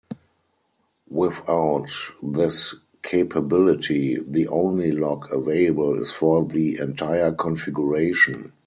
Without this capability, the only lock available is for the entire configuration.